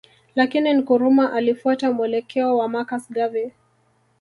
Lakini Nkrumah alifuata mwelekeo wa Marcus Garvey